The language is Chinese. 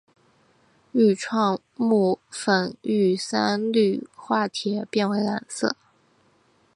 愈创木酚遇三氯化铁变为蓝色。